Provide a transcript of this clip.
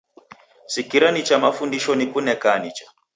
Sikira nicha mafundisho nikunekaa nicha